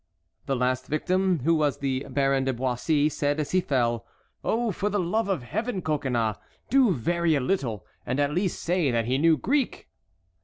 The last victim, who was the Baron de Boissey, said as he fell: "Oh, for the love of Heaven, Coconnas, do vary a little and at least say that he knew Greek!"